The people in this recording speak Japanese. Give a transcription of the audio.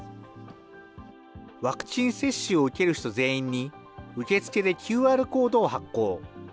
ワクチン接種を受ける人全員に、受付でＱＲコードを発行。